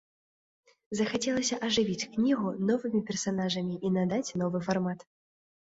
Захацелася ажывіць кнігу новымі персанажамі і надаць новы фармат.